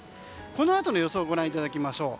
このあとの予想をご覧いただきましょう。